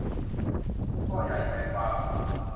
ข้อใหญ่ใจความ